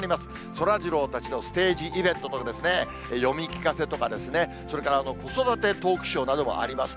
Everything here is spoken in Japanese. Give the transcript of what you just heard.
そらジローたちのステージイベントとかですね、読み聞かせとかですね、それから子育てトークショーなどもあります。